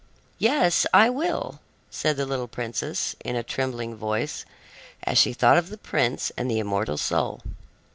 "Yes, I will," said the little princess in a trembling voice, as she thought of the prince and the immortal soul.